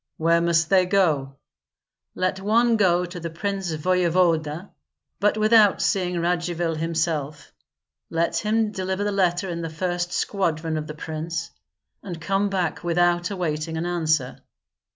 "Where must they go?" "Let one go to the prince voevoda, but without seeing Radzivill himself. Let him deliver the letter in the first squadron of the prince, and come back without awaiting an answer."